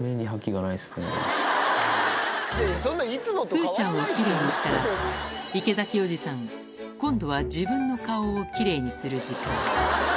風ちゃんをきれいにしたら、池崎おじさん、今度は自分の顔をきれいにする時間。